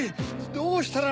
どうしたら。